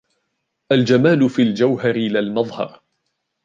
الجمال في الجوهر لا المظهر